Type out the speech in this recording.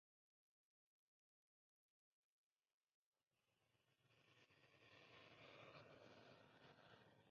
Con su factura original.